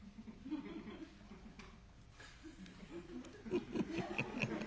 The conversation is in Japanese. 「フフフフ。